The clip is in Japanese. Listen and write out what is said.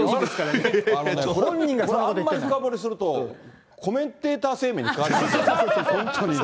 あんまり深掘りするとコメンテーター生命にかかわりますから、本当にね。